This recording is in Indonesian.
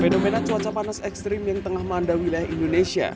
fenomena cuaca panas ekstrim yang tengah melanda wilayah indonesia